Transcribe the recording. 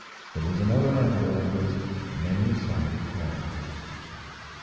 It was another angle of his many sided character.